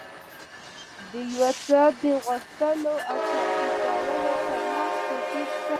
د يو څه د غوښتلو او چمتووالي ترمنځ توپير شته.